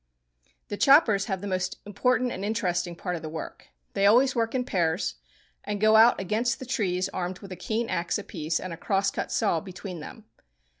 The choppers have the most important and interesting part of the work. They always work in pairs, and go out against the trees armed with a keen axe apiece and a crosscut saw between them.